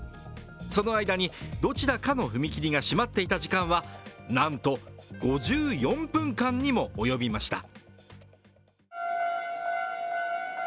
その間に、どちらかの踏切が閉まっていた時間はなんと５４分間にもおよびました。